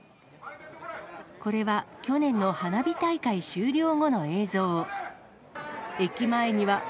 これは去年の花火大会終了後の映像。